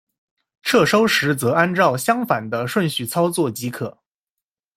撤收时则按照相反的顺序操作即可。